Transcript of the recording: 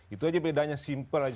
itu saja bedanya simple saja